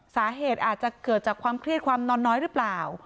สาเหตุอาจจะเกิดจากความเครียดความนอนน้อยหรือเปล่า